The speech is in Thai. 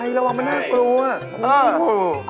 หรือไม่ปวดเหรอ